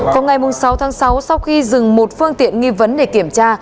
vào ngày sáu tháng sáu sau khi dừng một phương tiện nghi vấn để kiểm tra